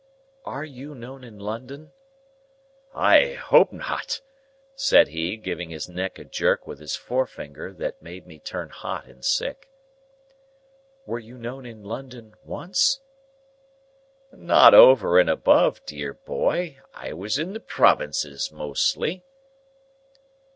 "Are you known in London?" "I hope not!" said he, giving his neck a jerk with his forefinger that made me turn hot and sick. "Were you known in London, once?" "Not over and above, dear boy. I was in the provinces mostly."